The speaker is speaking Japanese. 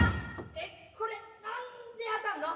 えっこれ何で開かんの？